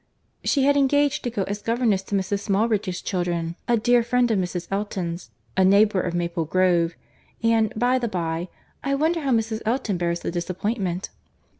"She had engaged to go as governess to Mrs. Smallridge's children—a dear friend of Mrs. Elton's—a neighbour of Maple Grove; and, by the bye, I wonder how Mrs. Elton bears the disappointment?"